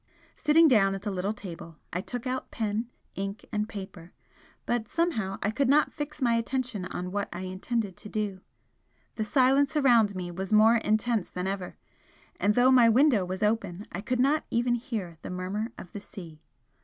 Sitting down at the little table, I took out pen, ink and paper, but somehow I could not fix my attention on what I intended to do. The silence around me was more intense than ever, and though my window was open I could not even hear the murmur of the sea.